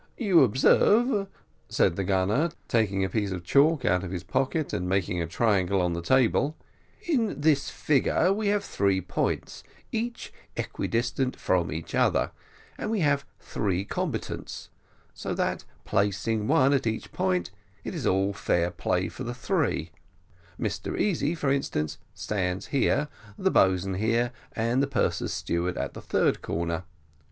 You observe," said the gunner, taking a piece of chalk out of his pocket, and making a triangle on the table, "in this figure we have three points, each equidistant from each other; and we have three combatants so that placing one at each point, it is all fair play for the three: Mr Easy, for instance, stands here, the boatswain here, and the purser's steward at the third corner.